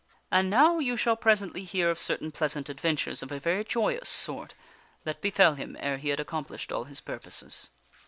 And now you shall presently hear of certain pleasant adventures of a very joyous sort that befell him ere he had accomplished all his purposes.